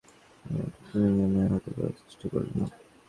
এইমাত্র তুমিও আমায় আহত করার চেষ্টা করলে না?